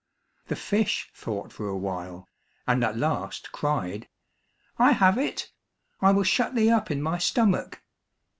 The fish thought for a while, and at last cried, "I have it! I will shut thee up in my stomach."